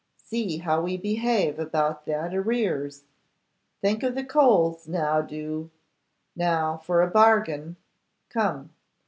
See how we behave about that arrears. Think of the coals; now do. Now for a bargin; come!